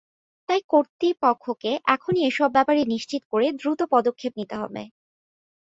তাই কর্তৃপক্ষকে এখনই এসব ব্যাপার নিশ্চিত করে দ্রুত পদক্ষেপ নিতে হবে।